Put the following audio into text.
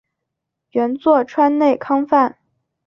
原作川内康范。